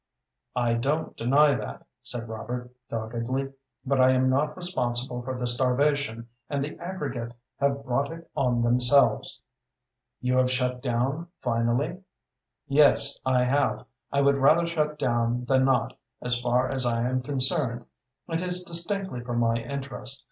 "I don't deny that," said Robert, doggedly, "but I am not responsible for the starvation, and the aggregate have brought it on themselves." "You have shut down finally?" "Yes, I have. I would rather shut down than not, as far as I am concerned. It is distinctly for my interest.